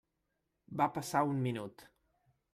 Va passar un minut.